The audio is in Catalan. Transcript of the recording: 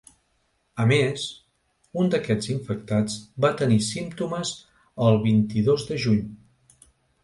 A més, un d’aquests infectats va tenir símptomes el vint-i-dos de juny.